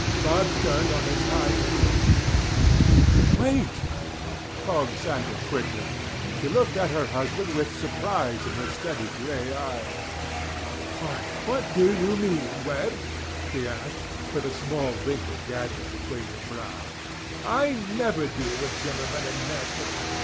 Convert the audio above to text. Bud turned on his high boot heels. "Wait!" called Santa quickly. She looked at her husband with surprise in her steady gray eyes. "Why, what do you mean, Webb?" she asked, with a small wrinkle gathering between her brows. "I never deal with Zimmerman and Nesbit.